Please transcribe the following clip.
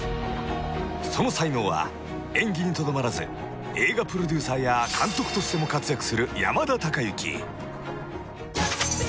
［その才能は演技にとどまらず映画プロデューサーや監督としても活躍する山田孝之］